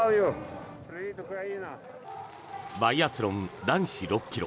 バイアスロン男子６ｋｍ。